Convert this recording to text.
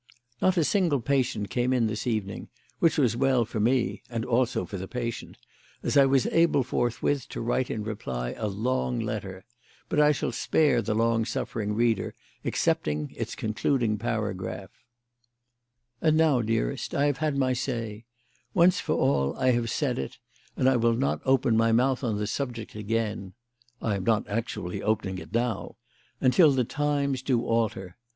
Not a single patient came in this evening, which was well for me (and also for the patient), as I was able forthwith to write in reply a long letter; but this I shall spare the long suffering reader excepting its concluding paragraph: "And now, dearest, I have said my say; once for all, I have said it, and I will not open my mouth on the subject again (I am not actually opening it now) 'until the times do alter.'